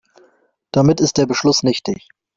Damit ist der Beschluss nichtig.